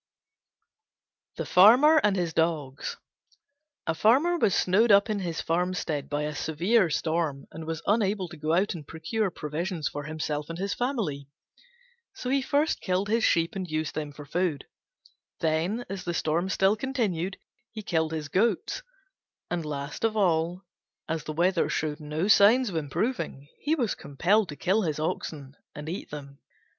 THE FARMER AND HIS DOGS A Farmer was snowed up in his farmstead by a severe storm, and was unable to go out and procure provisions for himself and his family. So he first killed his sheep and used them for food; then, as the storm still continued, he killed his goats; and, last of all, as the weather showed no signs of improving, he was compelled to kill his oxen and eat them.